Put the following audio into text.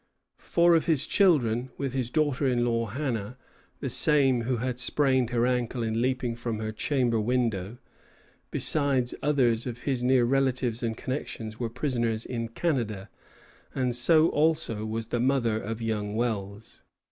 Four of his children, with his daughter in law, Hannah, the same who had sprained her ankle in leaping from her chamber window, besides others of his near relatives and connections, were prisoners in Canada; and so also was the mother of young Wells.